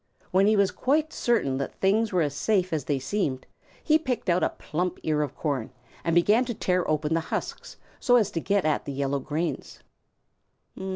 When he was quite certain that things were as safe as they seemed, he picked out a plump ear of corn and began to tear open the husks, so as to get at the yellow grains.